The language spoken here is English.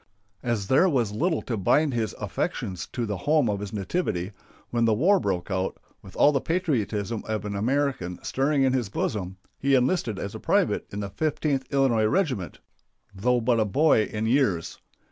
As there was little to bind his affections to the home of his nativity, when the war broke out, with all the patriotism of an American stirring in his bosom, he enlisted as a private in the Fifteenth Illinois Regiment, though but a boy in years.